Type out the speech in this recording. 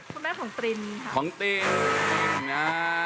คุณแม่ของตรินค่ะ